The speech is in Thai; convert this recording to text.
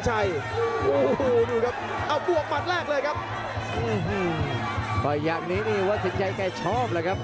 อันนี้ยังว่าเสียงชัยกว่าก็ชอบแหละ